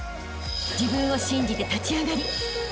［自分を信じて立ち上がりあしたへ